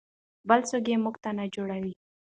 بل څوک یې موږ ته نه جوړوي.